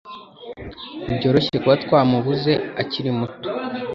Ntibyoroshye kuba twamubuze akiri muto